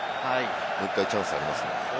もう１回チャンスありますね。